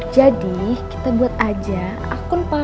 jadi kita buat aja akun palsu